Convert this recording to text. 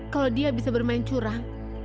kalau dia bisa bermain curang